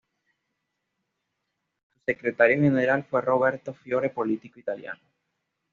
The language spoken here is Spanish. Su secretario general fue Roberto Fiore, político italiano.